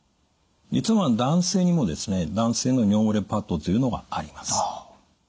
実は男性にもですね男性の尿漏れパッドというのがあります。